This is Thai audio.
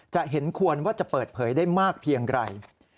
เห็นควรว่าจะเปิดเผยได้มากเพียงไร